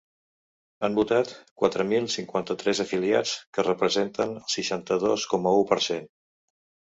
Han votat quatre mil cinquanta-tres afiliats, que representen el seixanta-dos coma u per cent.